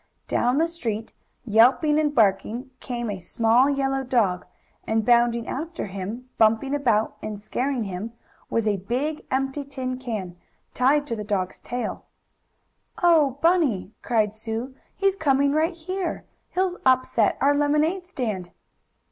Down the street, yelping and barking, came a small yellow dog, and, bounding after him, bumping about and scaring him, was a big, empty tin can, tied to the dog's tail. "Oh, Bunny!" cried Sue, "he's coming right here. He'll upset our lemonade stand!"